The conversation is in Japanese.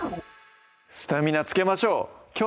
スタミナつけましょう！